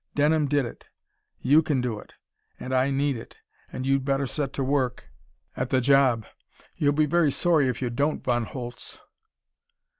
Denham did it. You can do it. And I need it, and you'd better set to work at the job. You'll be very sorry if you don't, Von Holtz!"